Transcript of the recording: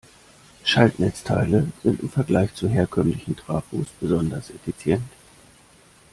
Schaltnetzteile sind im Vergleich zu herkömmlichen Trafos besonders effizient.